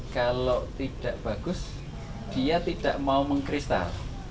kalau tidak bagus dia tidak mau mengkristal